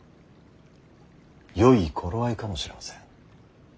よい頃合いかもしれません。